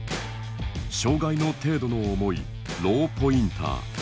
障害の程度の重いローポインター。